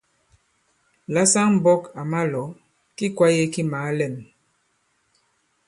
La saŋ-mbɔ̄k à ma-lɔ̀, ki kwāye ki màa lɛ᷇n.